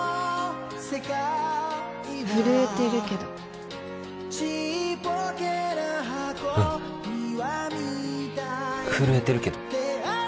震えてるけどうん震えてるけど